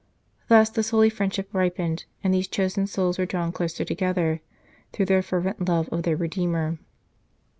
Thus this holy friendship ripened and these chosen souls were drawn closer together, through their fervent love of their Redeemer.